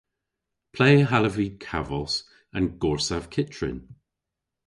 Ple hallav vy kavos an gorsav kyttrin?